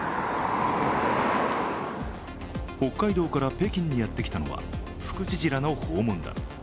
北海道から北京にやってきたのは副知事らの訪問団。